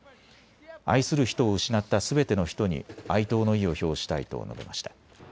愛する人を失ったすべての人に哀悼の意を表したいと述べました。